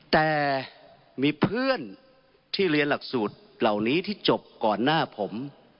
แต่มีเพื่อนที่เรียนหลักสูตรเหล่านี้ที่จบก่อนหน้าผม